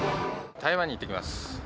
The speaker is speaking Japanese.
台湾に行ってきます。